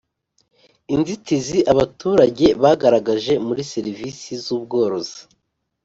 Inzitizi abaturage bagaragaje muri serivisi z ubworozi